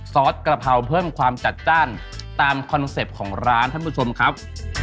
ซอสกระเพราเพิ่มความจัดจ้านตามคอนเซ็ปต์ของร้านท่านผู้ชมครับ